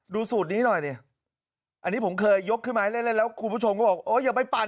ดูสูตรนี้หน่อยอันนี้ผมเคยยกคือบางทีแล้วคุณผู้ชมก็อยากไปพัน